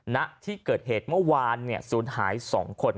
ณที่เกิดเหตุเมื่อวานเนี่ยสูญหาย๒คน